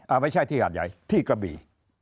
ไม่ใช่ที่หาดใหญ่ที่กระบี่